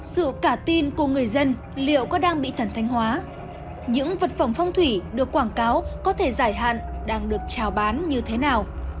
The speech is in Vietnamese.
sự cả tin của người dân liệu có đang bị thần thanh hóa những vật phẩm phong thủy được quảng cáo có thể giải hạn đang được trào bán như thế nào